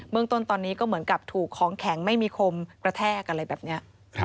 เมืองต้นตอนนี้ก็เหมือนกับถูกของแข็งไม่มีคมกระแทกอะไรแบบนี้